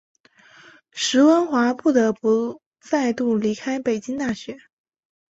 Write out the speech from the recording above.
石蕴华不得不再度离开北京大学。